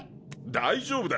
大丈夫だ。